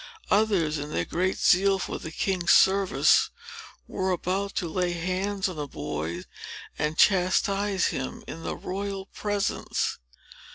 Others, in their great zeal for the king's service, were about to lay hands on the boy, and chastise him in the royal presence.